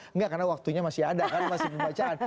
enggak karena waktunya masih ada kan masih pembacaan